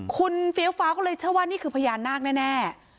คุณเฟี้ยวฟ้าก็เลยเชื่อว่านี่คือพญานาคแน่